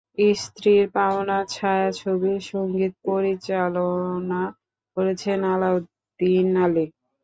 স্ত্রীর পাওনা ছায়াছবির সঙ্গীত পরিচালনা করেছেন আলাউদ্দিন আলী।